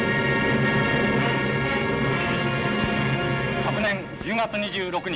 「昨年１０月２６日。